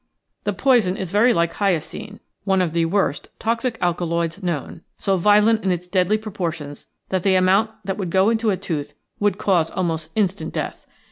The poison is very like hyoscine, one of the worst toxic alkaloids known, so violent in its deadly proportions that the amount that would go into a tooth would cause almost instant death.